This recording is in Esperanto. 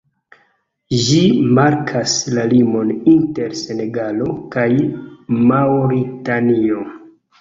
Ĝi markas la limon inter Senegalo kaj Maŭritanio.